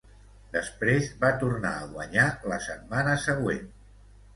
Després va tornar a guanyar la setmana següent.